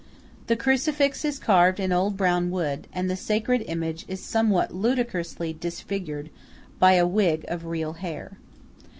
The crucifix is carved in old brown wood, and the sacred image is somewhat ludicrously disfigured by a wig of real hair.